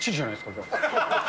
じゃあ。